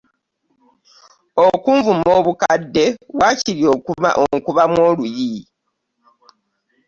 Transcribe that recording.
Okunvuma obukadde waakiri onkubamu oluyi.